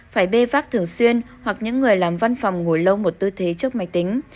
phải bê vác thường xuyên hoặc những người làm văn phòng ngồi lâu một tư thế trước máy tính